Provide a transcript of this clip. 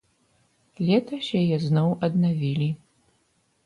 Летась яе зноў аднавілі.